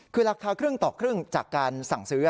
คือราคาครึ่งต่อครึ่งจากการสั่งซื้อ